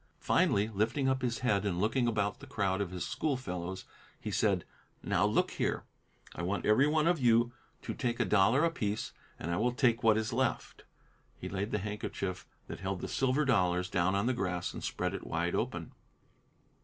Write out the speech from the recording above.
Finally, lifting up his head and looking about the crowd of his school fellows, he said, "Now, look here; I want every one of you to take a dollar apiece, and I will take what is left." He laid the handkerchief that held the silver dollars down on the grass and spread it wide open.